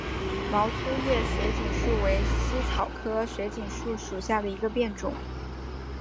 毛粗叶水锦树为茜草科水锦树属下的一个变种。